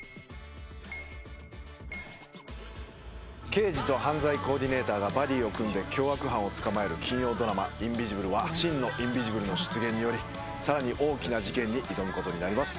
刑事と犯罪コーディネーターがバディを組んで凶悪犯を捕まえる金曜ドラマ「インビジブル」は真のインビジブルの出現によりさらに大きな事件に挑むことになります